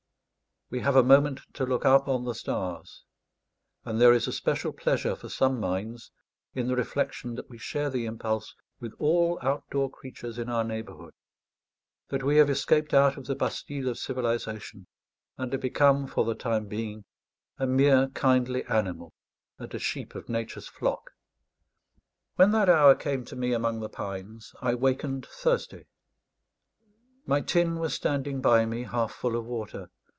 We have a moment to look up on the stars. And there is a special pleasure for some minds in the reflection that we share the impulse with all outdoor creatures in our neighbourhood, that we have escaped out of the Bastille of civilization, and are become, for the time being, a mere kindly animal and a sheep of Nature's flock. When that hour came to me among the pines, I wakened thirsty. My tin was standing by me half full of water.